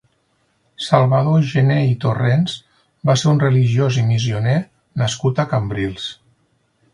Salvador Gené i Torrents va ser un religiós i missioner nascut a Cambrils.